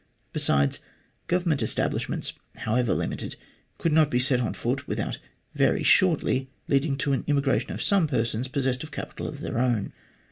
Besides, Govern ment establishments, however limited, could not be set on foot without very shortly leading to an immigration of some persons possessed of capital of their own.